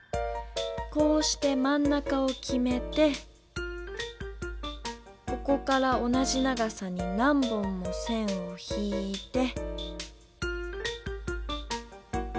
こうしてまん中をきめてここから同じ長さに何本も線を引いて。